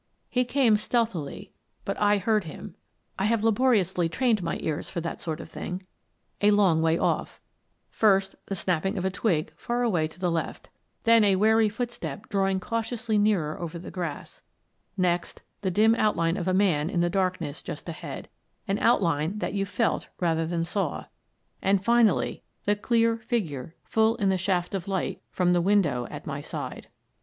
He came stealthily, but I heard him (I have Mr. Fredericks Returns 77 laboriously trained my ears for that sort of thing) a long way off: first, the snapping of a twig far away to the left; then a wary footstep drawing cautiously nearer over the grass; next the dim out line of a man in the darkness just ahead — an out line that you felt rather than saw — and finally the clear figure full in the shaft of light from the window at my side.